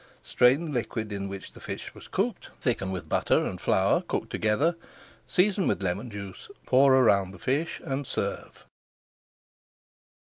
Strain the liquid in which the fish was cooked, thicken with butter and flour cooked together, season with lemon juice, pour around the fish, and serve.